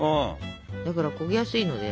だから焦げやすいので。